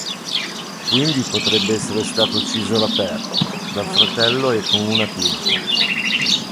Quindi potrebbe essere stato ucciso all'aperto, dal fratello e con una pietra.